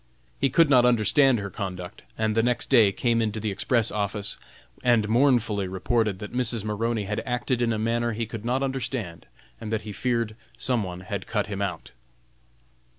He could not understand her conduct, and the next day came into the Express Office, and mournfully reported that Mrs. Maroney had acted in a manner he could not understand, and that he feared some one had cut him out.